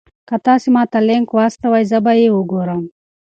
که تاسي ما ته لینک واستوئ زه به یې وګورم.